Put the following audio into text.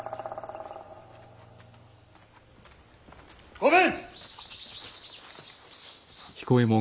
御免！